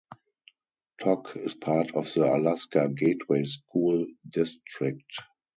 Tok is part of the Alaska Gateway School District.